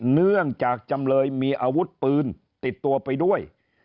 เนื่องจากจำเลยมีอาวุธปืนติดตัวไปด้วย